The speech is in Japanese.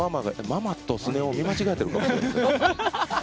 ママとスネ夫、見間違えてるかもしれない。